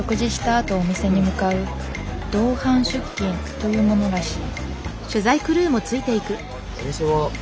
あとお店に向かう同伴出勤というものらしい。